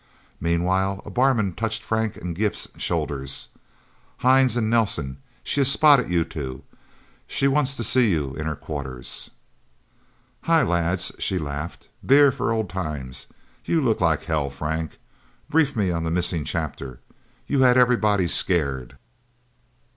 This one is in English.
Meanwhile, a barman touched Frank's and Gimp's shoulders. "Hines and Nelsen? She has spotted you two. She wants to see you in her quarters." "Hi, lads," she laughed. "Beer for old times?... You look like hell, Frank. Brief me on the missing chapter. You had everybody scared."